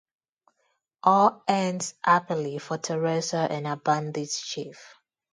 All ends happily for Teresa and her bandit chief.